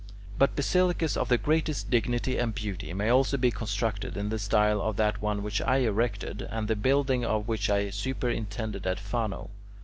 But basilicas of the greatest dignity and beauty may also be constructed in the style of that one which I erected, and the building of which I superintended at Fano.